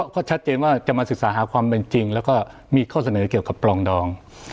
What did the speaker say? ก็ชัดเจนว่าจะมาศึกษาหาความเป็นจริงแล้วก็มีข้อเสนอเกี่ยวกับปลองดอง